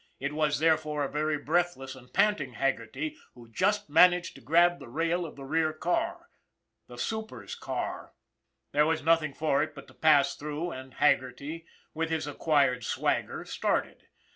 It was, therefore, a very breathless and panting Haggerty who just managed to grab the rail of the rear car the super's car! There was nothing for it but to pass through and Haggerty, with his acquired swagger, started.